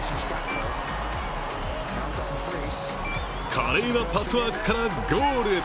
華麗なパスワークからゴール。